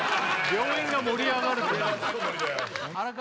病院が盛り上がる荒川